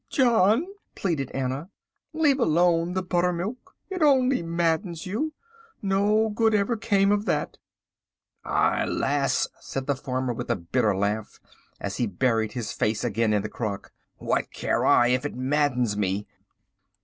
"John," pleaded Anna, "leave alone the buttermilk. It only maddens you. No good ever came of that." "Aye, lass," said the farmer, with a bitter laugh, as he buried his head again in the crock, "what care I if it maddens me."